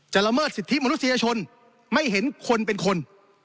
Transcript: ละเมิดสิทธิมนุษยชนไม่เห็นคนเป็นคน